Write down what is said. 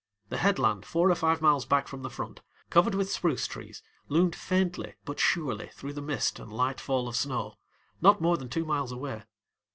The head land four or five miles back from the front, covered with spruce trees, loomed faintly but surely through the mist and light fall of snow not more than two miles away.